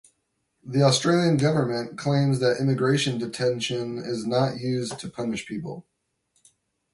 The Australian government claims that immigration detention is not used to punish people.